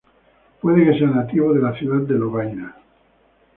Puede que sea nativo de la ciudad de Lovaina.